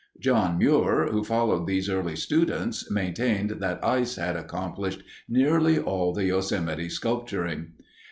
John Muir, who followed these early students, maintained that ice had accomplished nearly all the Yosemite sculpturing.